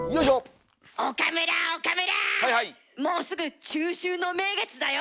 もうすぐ中秋の名月だよ。